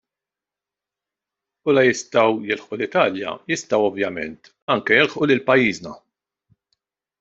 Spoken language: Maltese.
U la jistgħu jilħqu l-Italja jistgħu ovvjament anke jilħqu lil pajjiżna.